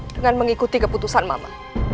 dengan mengikuti keputusan mama